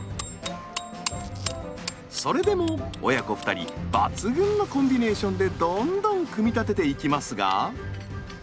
それでも親子２人抜群のコンビネーションでどんどん組み立てていきますが。